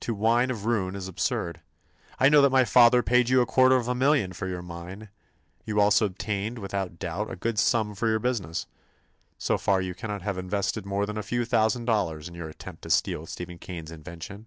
To whine of ruin is absurd. I know that my father paid you a quarter of a million for your mine. You also obtained, without doubt, a good sum for your business. So far you cannot have invested more than a few thousand dollars in your attempt to steal Stephen Kane's invention.